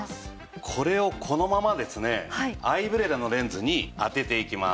これをこのままですねアイブレラのレンズに当てていきます。